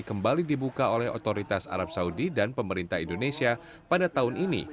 kembali dibuka oleh otoritas arab saudi dan pemerintah indonesia pada tahun ini